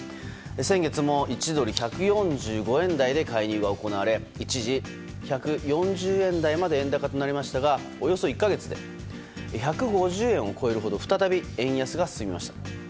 先月も１ドル＝１４５円台で介入が行われ一時、１４０円台まで円高となりましたがおよそ１か月で１５０円を超えるほど再び円安が進みました。